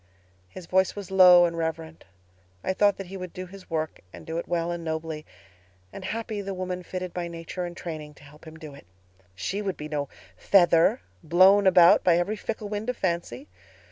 "His voice was low and reverent. I thought that he would do his work and do it well and nobly; and happy the woman fitted by nature and training to help him do it. She would be no feather, blown about by every fickle wind of fancy.